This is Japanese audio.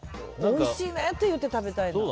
おいしいねって言って食べたいなって。